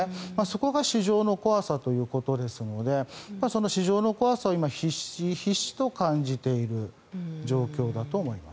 そこが市場の怖さということですので市場の怖さを今、ひしひしと感じている状況だと思います。